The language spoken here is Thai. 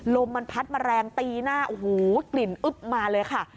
ลมมันพัดมาแรงตีหน้าโอ้โหกลิ่นอึ๊บมาเลยค่ะ